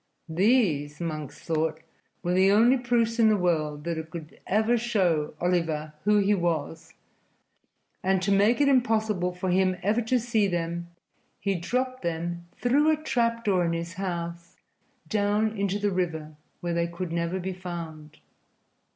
These, Monks thought, were the only proofs in the world that could ever show Oliver who he was, and to make it impossible for him ever to see them, he dropped them through a trap door in his house down into the river, where they could never be found.